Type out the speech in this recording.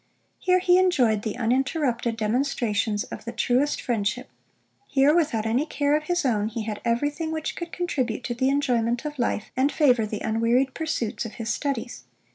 Here he enjoyed the uninterrupted demonstrations of the truest friendship. Here, without any care of his own, he had everything which could contribute to the enjoyment of life, and favour the unwearied pursuits of his studies.